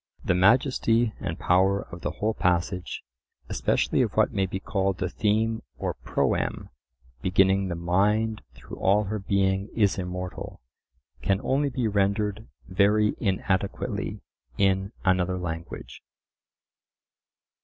The majesty and power of the whole passage—especially of what may be called the theme or proem (beginning "The mind through all her being is immortal")—can only be rendered very inadequately in another language.